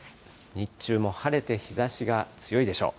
日中も晴れて、日ざしが強いでしょう。